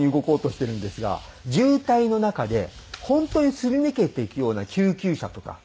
渋滞の中で本当にすり抜けていくような救急車とか。